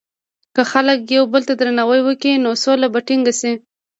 که خلک یو بل ته درناوی وکړي، نو سوله به ټینګه شي.